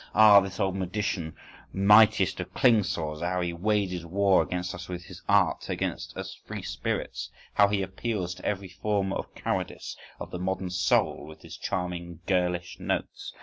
… Ah, this old magician, mightiest of Klingsors; how he wages war against us with his art, against us free spirits! How he appeals to every form of cowardice of the modern soul with his charming girlish notes!